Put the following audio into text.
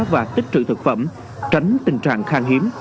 và tích trữ thực phẩm tránh tình trạng khang hiếm